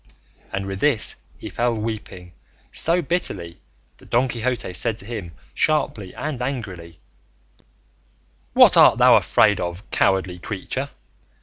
And with this he fell weeping so bitterly, that Don Quixote said to him, sharply and angrily, "What art thou afraid of, cowardly creature?